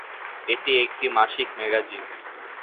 এটি একটি মাসিক ম্যাগাজিন।